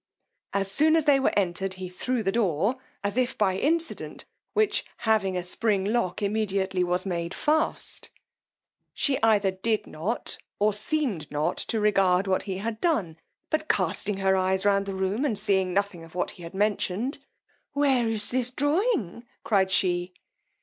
As soon as they were entered he threw the door, as if by incident, which having a spring lock, immediately was made fast She either did not, or seemed not to regard what he had done; but casting her eyes round the room, and seeing nothing of what he had mentioned, Where is this drawing? cried she.